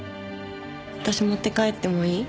私持って帰ってもいい？